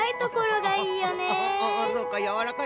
ああそうか。